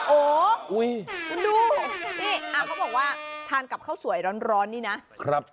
โอ้ดูเขาบอกว่าทานกับข้าวสวยร้อนนี่นะ